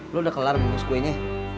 lo udah kelar bungkus kuenya